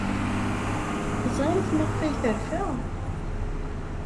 Teẓramt maɣef ay terfa?